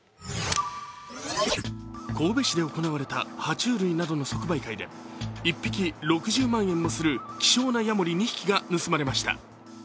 神戸市で行われたは虫類などの即売会で１匹６０万円もする希少なヤモリ２匹が盗まれました。